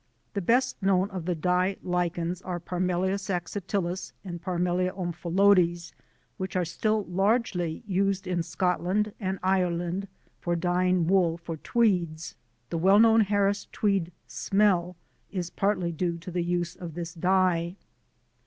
The best known of the dye Lichens are Parmelia saxatilis and Parmelia omphalodes which are still largely used in Scotland and Ireland for dyeing wool for tweeds. The well known Harris tweed smell is partly due to the use of this dye.